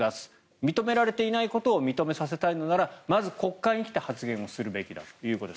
認められていないことを認めさせたいのならまず国会に来て発言をするべきだということです。